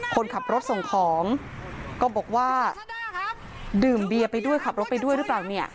คนขับรถส่งของก็บอกว่าดื่มเบียร์ไปด้วยขับรถไปด้วยหรือเปล่าเนี่ย